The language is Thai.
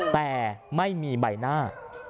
แต่ไม่มีใบหน้า